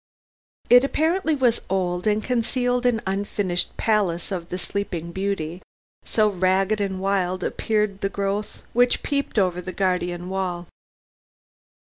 It apparently was old and concealed an unfinished palace of the sleeping beauty, so ragged and wild appeared the growth which peeped over the guardian wall.